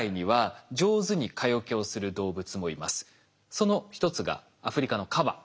その一つがアフリカのカバ。